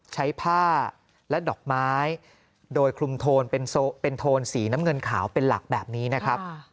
ใช้ผ้าและดอกไม้โดยคลุมโทนเป็นโทนสีน้ำเงินขาวเป็นหลักแบบนี้นะครับ